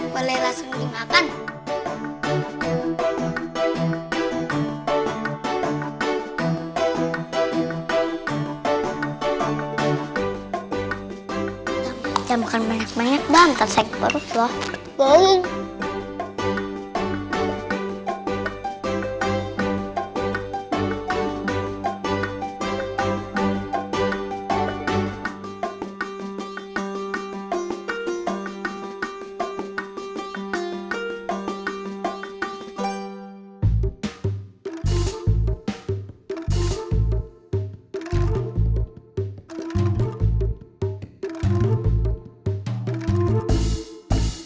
boleh tante boleh langsung dimakan